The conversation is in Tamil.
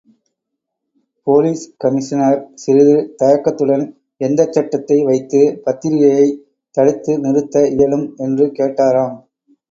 போலீஸ் கமிஷனர் சிறிது தயக்கத்துடன் எந்தச்சட்டத்தை வைத்து பத்திரிகையைத் தடுத்து நிறுத்த இயலும் என்று கேட்டாராம்.